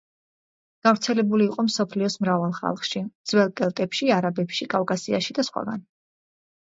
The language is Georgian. გავრცელებული იყო მსოფლიოს მრავალ ხალხში: ძველ კელტებში, არაბებში, კავკასიაში და სხვაგან.